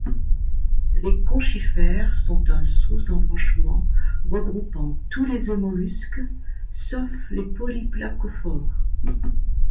Les Conchifères sont un sous-embranchement regroupant tous les Eumollusques sauf les Polyplacophores.